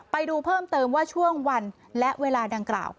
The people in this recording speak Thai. ไปดูเพิ่มเติมว่าช่วงวันและเวลาดังกล่าว